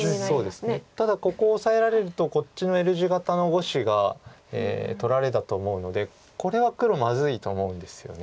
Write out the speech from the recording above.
ただここオサえられるとこっちのＬ字型の５子が取られたと思うのでこれは黒まずいと思うんですよね。